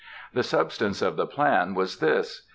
The substance of the plan was this.